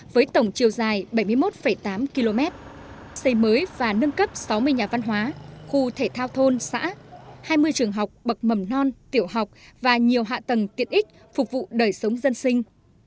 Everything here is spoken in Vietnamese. với tổng chiều dài bảy mươi một tám km xây mới và nâng cấp sáu mươi nhà văn hóa khu thể thao thôn xã hai mươi trường học bậc mầm non tiểu học và nhiều hạ tầng tiện ích phục vụ đời sống dân sinh